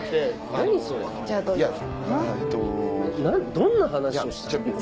どんな話をしたの？